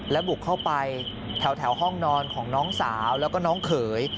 และบุกเข้าไปแถวห้องนอนของน้องสาวแล้วก็น้องเขย